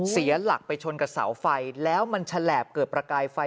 เสียหลักไปชนกับเสาไฟแล้วมันฉลาบเกิดประกายไฟ